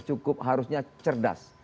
cukup harusnya cerdas